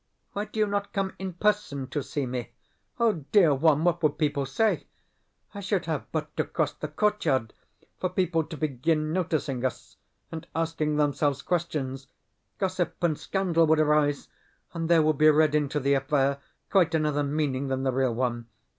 "Why do you not come in PERSON to see me?" Dear one, what would people say? I should have but to cross the courtyard for people to begin noticing us, and asking themselves questions. Gossip and scandal would arise, and there would be read into the affair quite another meaning than the real one.